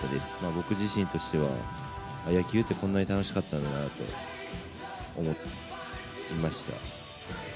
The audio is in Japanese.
僕自身としては、野球ってこんなに楽しかったんだなと思いました。